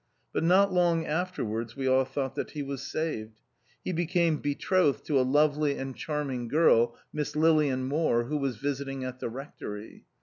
But not long afterwards we all thought that he was saved. He became betrothed to a lovely and charming girl, Miss Lilian Moore, who was visiting at the rectory.